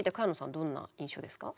どんな印象ですか。